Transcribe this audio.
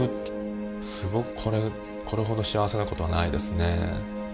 すごくこれほど幸せな事はないですね。